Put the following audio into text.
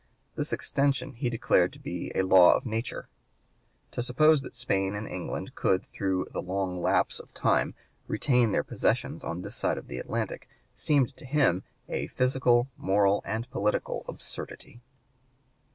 This extension he declared to be a "law of nature." To suppose that Spain and England could, through the long lapse of time, retain their possessions on this side of the Atlantic seemed to him a "physical, moral, and political absurdity."